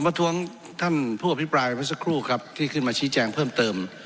ประท้วงท่านผู้อภิปรายเมื่อสักครู่ครับที่ขึ้นมาชี้แจงเพิ่มเติม